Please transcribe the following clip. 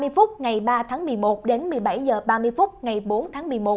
ba mươi phút ngày ba tháng một mươi một đến một mươi bảy h ba mươi phút ngày bốn tháng một mươi một